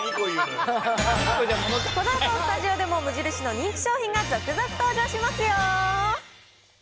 このあと、スタジオでも無印の人気商品が続々登場しますよ。